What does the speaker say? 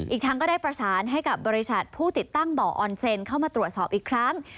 อีกทั้งก็ได้ประสานให้กับบริษัทผู้ติดตั้งบ่อออนเซ็นเข้ามาตรวจสอบอีกครั้ง